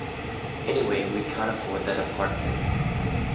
Anyway, we can't afford that apartment.